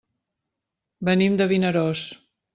Venim de Vinaròs.